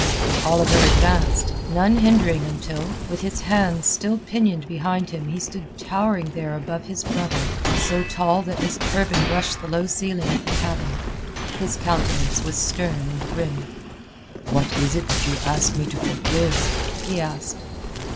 Oliver advanced, none hindering until, with his hands still pinioned behind him he stood towering there above his brother, so tall that his turban brushed the low ceiling of the cabin. His countenance was stern and grim. "What is it that you ask me to forgive?" he asked.